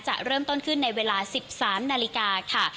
จะเริ่มต้นขึ้นในเวลา๑๓นาฬิกาค่ะ